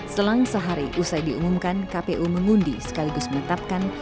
selang sehari usai diumumkan kpu mengundi sekaligus menetapkan